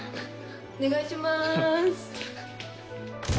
お願いします。